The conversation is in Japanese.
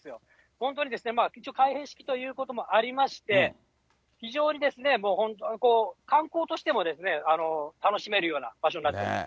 本当にですね、一応、ちょっと開閉式ということもありまして、非常にですね、観光としても楽しめるような場所になってます。